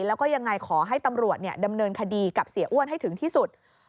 แล้วก็ยังไงขอให้ตำรวจดำเนินคดีกับเสียอ้วนให้ถึงที่สุด